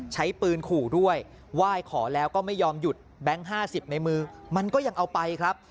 ใช้ปืนขู่ด้วยไหว้ขอแล้วก็ไม่ยอมหยุดแบงค์๕๐ในมือมันก็ยังเอาไปครับ